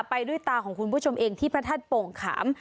ไปด้วยตาของคุณผู้ชมเองที่พระธาตุโป่งขาม